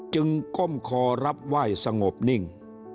ก้มคอรับไหว้สงบนิ่ง